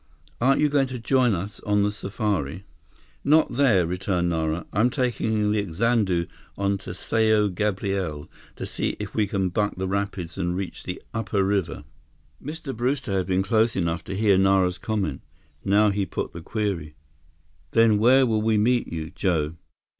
"Aren't you going to join us on the safari?" "Not there," returned Nara. "I'm taking the Xanadu on to Sao Gabriel, to see if we can buck the rapids and reach the upper river." Mr. Brewster had been close enough to hear Nara's comment. Now, he put the query: "Then where will we meet you, Joe?"